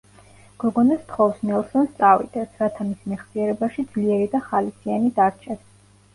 გოგონა სთხოვს ნელსონს წავიდეს, რათა მის მეხსიერებაში ძლიერი და ხალისიანი დარჩეს.